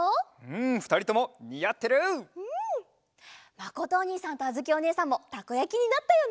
まことおにいさんとあづきおねえさんもたこやきになったよね。